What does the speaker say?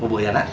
buah buah ya nak